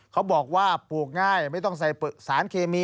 เขาบอกว่าปลูกง่ายไม่ต้องใส่สารเคมี